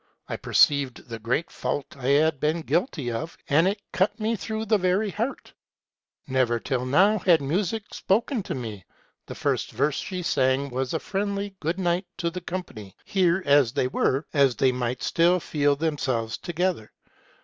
I perceived the great fault I had been guilty of, and it cut me through the very heart. Never till now had music had an effect on me : the first verse she sang was a friendly good night to the company, here as they were, as they might still feel themselves together.